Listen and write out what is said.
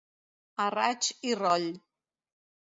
A raig i roll.